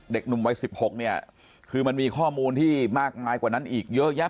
เด็กหนุ่มวัย๑๖เนี่ยคือมันมีข้อมูลที่มากมายกว่านั้นอีกเยอะแยะ